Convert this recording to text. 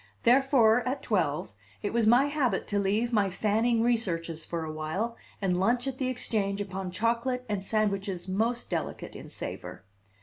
Therefore, at twelve, it was my habit to leave my Fanning researches for a while, and lunch at the Exchange upon chocolate and sandwiches most delicate in savor.